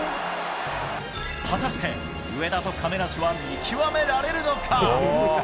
果たして上田と亀梨は見極められるのか。